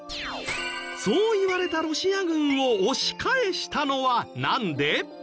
そう言われたロシア軍を押し返したのはなんで？